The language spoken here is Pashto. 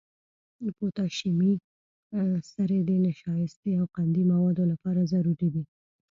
پوتاشیمي سرې د نشایستې او قندي موادو لپاره ضروري دي.